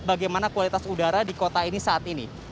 bagaimana kualitas udara di kota ini saat ini